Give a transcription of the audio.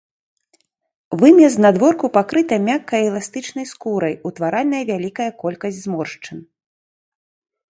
Вымя знадворку пакрыта мяккай, эластычнай скурай, утваральнай вялікая колькасць зморшчын.